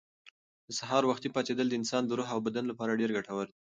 د سهار وختي پاڅېدل د انسان د روح او بدن لپاره ډېر ګټور دي.